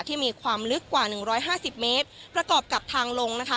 ที่มีความลึกกว่าหนึ่งร้อยห้าสิบเมตรประกอบกับทางลงนะคะ